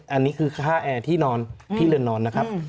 อันนี้คือท่าแอร์ที่เรือนนอนนะครับ